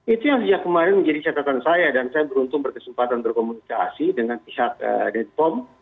itu yang sejak kemarin menjadi catatan saya dan saya beruntung berkesempatan berkomunikasi dengan pihak denpom